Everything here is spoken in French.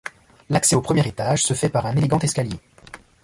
L'accès au premier étage se fait par un élégant escalier.